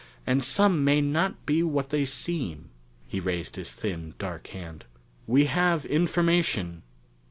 "And some may not be what they seem." He raised his thin dark hand. "We have information...."